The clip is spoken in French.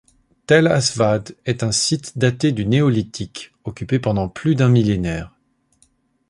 Tell Aswad est un site daté du néolithique, occupé pendant plus d'un millénaire.